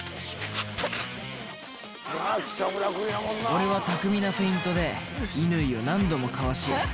俺は巧みなフェイントで乾井を何度もかわし